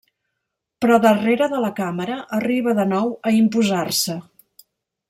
Però darrere de la càmera arriba de nou a imposar-se.